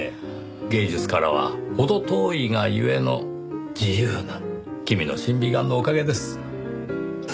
芸術からは程遠いがゆえの自由な君の審美眼のおかげです。